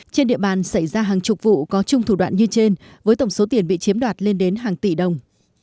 trên địa bàn xảy ra hàng chục vụ có chung thủ đoạn như trên với tổng số tiền bị chiếm đoạt lên đến hàng tỷ đồng